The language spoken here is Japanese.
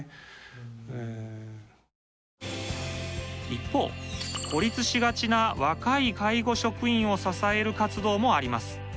一方孤立しがちな若い介護職員を支える活動もあります。